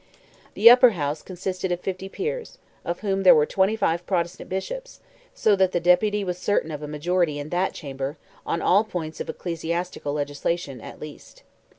The Upper House consisted of 50 Peers, of whom there were 25 Protestant Bishops, so that the Deputy was certain of a majority in that chamber, on all points of ecclesiastical legislation, at least.